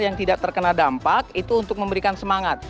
yang tidak terkena dampak itu untuk memberikan semangat